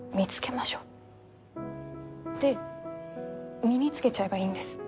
で身につけちゃえばいいんです。